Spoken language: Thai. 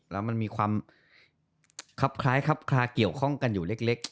แล้วมันมีความคล้ายเกี่ยวข้องกันอยู่เล็ก